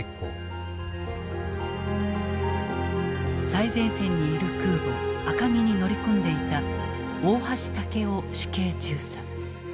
最前線にいる空母赤城に乗り組んでいた大橋丈夫主計中佐。